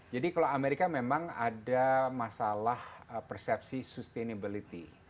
jadi kalau amerika memang ada masalah persepsi sustainability